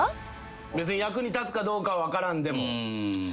別に役に立つかどうか分からんでも。